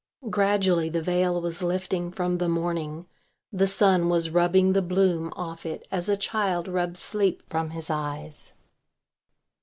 Gradually the veil was lifting from the morning, the sun was rubbing the bloom off it as a child rubs sleep from his eyes.